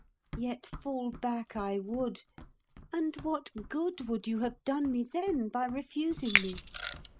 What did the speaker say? Yet fall back I would. And what good would you have done me then by refusing me?